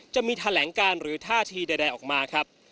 จะมีแถลงการหรือท่าทีใดออกมาครับ